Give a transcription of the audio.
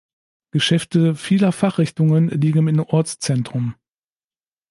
Geschäfte vieler Fachrichtungen liegen im Ortszentrum.